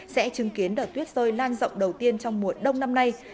sẽ chứng kiến đợt tuyết rơi lan rộng đầu tiên trong mùa đông năm nay